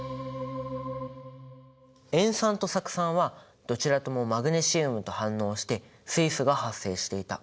塩酸と酢酸はどちらともマグネシウムと反応して水素が発生していた。